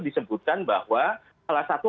disebutkan bahwa salah satu